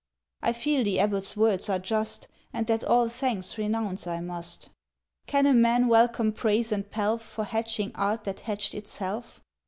"I feel the abbot's words are just, And that all thanks renounce I must. "Can a man welcome praise and pelf For hatching art that hatched itself?